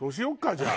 じゃあ。